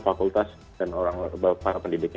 fakultas dan para pendidiknya